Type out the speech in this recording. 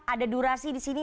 ada durasi di sini